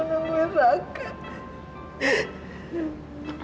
bu nungguin raka